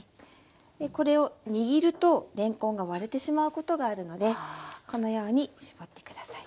これを握るとれんこんが割れてしまうことがあるのでこのように絞って下さい。